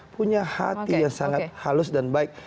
punya hati yang sangat halus dan baik